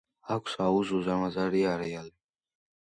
აქვს უზარმაზარი არეალი.